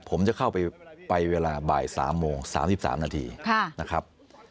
ผมจะเข้าไปเวลาบ่าย๓โมง๓๓นาทีนะครับ